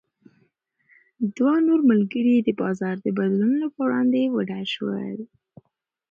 دوه نور ملګري یې د بازار د بدلونونو په وړاندې وډار شول.